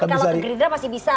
kalau ke green dress masih bisa